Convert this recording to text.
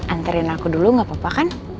anterin aku dulu gak apa apa kan